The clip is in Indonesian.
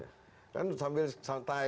kan sambil santai